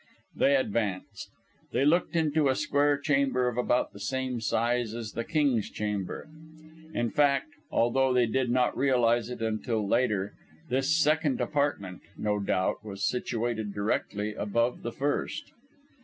They advanced. They looked into a square chamber of about the same size as the King's Chamber. In fact, although they did not realise it until later, this second apartment, no doubt was situated directly above the first.